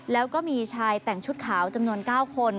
แล้วก็มีชายแต่งชุดขาวจำนวน๙คน